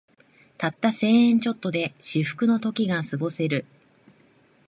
たった千円ちょっとで至福の時がすごせる